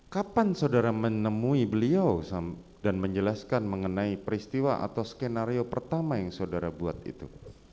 kapan saudara menemui beliau dan menjelaskan mengenai peristiwa atau skenario pertama yang saudara buat itu